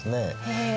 へえ。